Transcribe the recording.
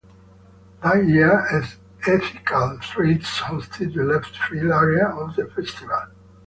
That year, Ethical Threads hosted The Left Field area of the festival.